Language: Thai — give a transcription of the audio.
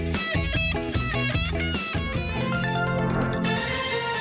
โปรดติดตามตอนต่อไป